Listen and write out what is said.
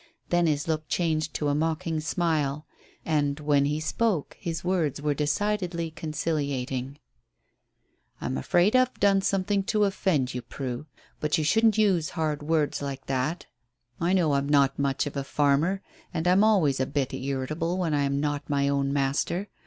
Then his look changed to a mocking smile, and when he spoke his words were decidedly conciliating. "I'm afraid I've done something to offend you, Prue. But you shouldn't use hard words like that I know I'm not much of a farmer, and I am always a bit irritable when I am not my own master.